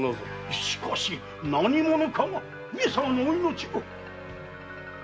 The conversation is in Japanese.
しかし何者かが上様のお命を。